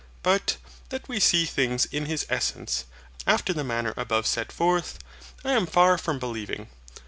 But that we see things in His essence, after the manner above set forth, I am far from believing.